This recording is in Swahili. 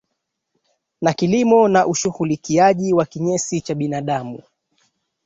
na kilimo na ushughulikiaji wa kinyesi cha binadamu